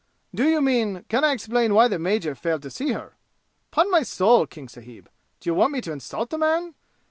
"Do you mean, can I explain why the major failed to see her? 'Pon my soul, King sahib, d'you want me to insult the man?